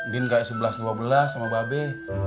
din kayak sebelas dua belas sama mbak be